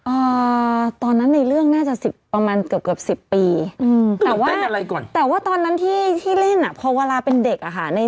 เอ๊ชุธิมาชิดูบอกเธอไม่อายแม่เขาเหรอเอ๊